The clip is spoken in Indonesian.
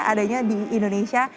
adanya di indonesia